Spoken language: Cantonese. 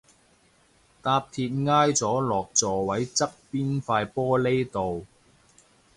搭鐵挨咗落座位側邊塊玻璃度